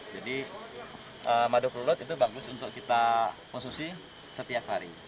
jadi madu kelulut itu bagus untuk kita konsumsi setiap hari